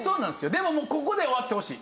でももうここで終わってほしい。